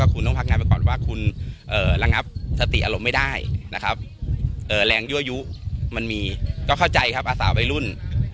ก็เข้าใจครับอาสาไปรุ่น